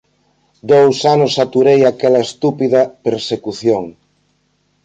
Dous anos aturei aquela estúpida persecución.